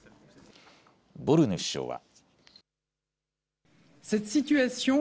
ボルヌ首相は。